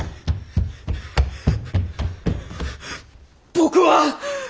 僕は！